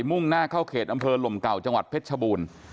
มุ่งหน้าเข้าเขตอำเภอลมเก่าจังหวัดเพชรชบูรณ์